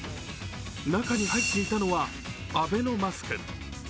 中に入っていたのはアベノマスク。